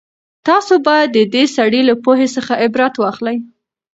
تاسو بايد د دې سړي له پوهې څخه عبرت واخلئ.